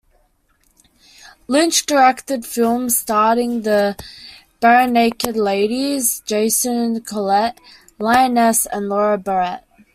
Lynch directed films starting The Barenaked Ladies, Jason Collett, Lioness, and Laura Barrett.